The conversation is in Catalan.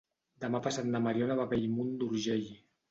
Demà passat na Mariona va a Bellmunt d'Urgell.